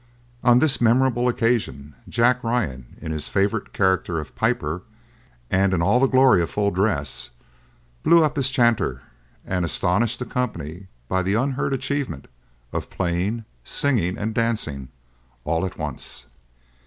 On this memorable occasion, Jack Ryan, in his favorite character of piper, and in all the glory of full dress, blew up his chanter, and astonished the company by the unheard of achievement of playing, singing, and dancing all at once.